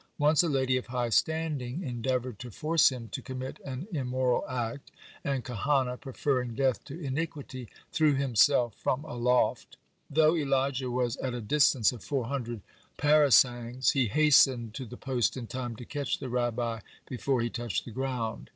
Once a lady of high standing endeavored to force him to commit an immoral act, and Kahana, preferring death to iniquity, threw himself from a loft. Though Elijah was at a distance of four hundred parasangs, he hastened to the post in time to catch the Rabbi before he touched the ground.